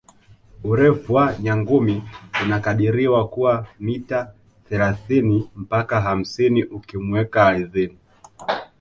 Urefu wa nyangumi unakadiriwa kuwa wa mita thelathini mpaka hamsini ukimuweka ardhini